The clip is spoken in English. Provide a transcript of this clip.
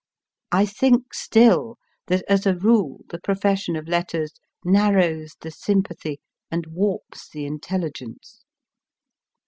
I think still that, as a rule, the profession of letters narrows the sympathy and warps the intelligence.